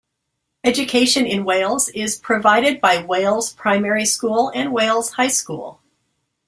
Education in Wales is provided by Wales Primary School and Wales High School.